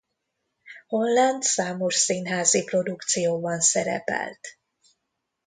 Holland számos színházi produkcióban szerepelt.